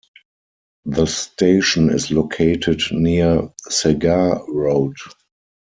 The station is located near Segar Road.